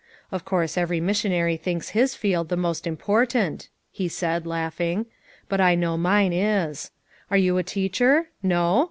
Of course every missionary thinks his field the most im portant," he added, laughing, "hut I know mine is. Are you a teacher? No!